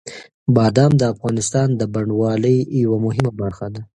بادام د افغانستان د بڼوالۍ یوه مهمه برخه ده.